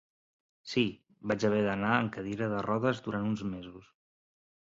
Sí, vaig haver d'anar en cadira de rodes durant uns mesos.